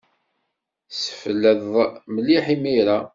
Ssefled mliḥ imir-a.